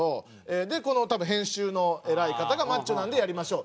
でこの多分編集の偉い方がマッチョなんでやりましょう。